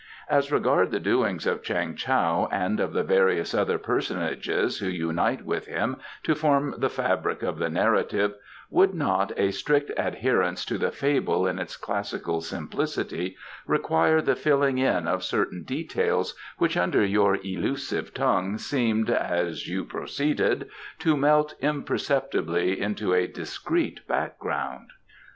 "As regards the doings of Chang Tao and of the various other personages who unite with him to form the fabric of the narrative, would not a strict adherence to the fable in its classical simplicity require the filling in of certain details which under your elusive tongue seemed, as you proceeded, to melt imperceptibly into a discreet background?"